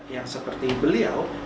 yang seperti beliau